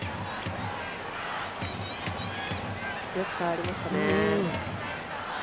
よく触りましたね。